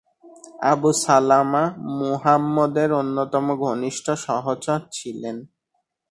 Abu Salama মুহাম্মদের অন্যতম ঘনিষ্ঠ সহচর ছিলেন।